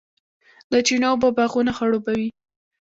د چینو اوبه باغونه خړوبوي.